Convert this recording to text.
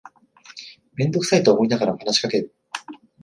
めんどくさいと思いながらも話しかける